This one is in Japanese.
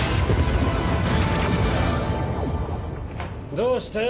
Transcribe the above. どうした？